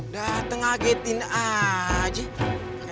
dating agetin aja